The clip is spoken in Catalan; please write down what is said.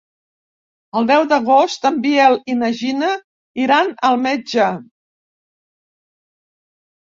El deu d'agost en Biel i na Gina iran al metge.